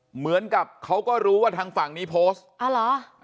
เหมือนกับเขาก็รู้ว่าทางฝั่งนี้โพสต์อ๋อเหรอ